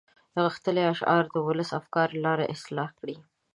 غښتلي اشعار د ولس د افکارو لاره اصلاح کړي.